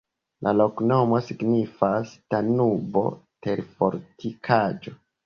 La loknomo signifas: Danubo-terfortikaĵo.